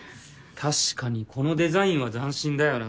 確かにこのデザインは斬新だよな。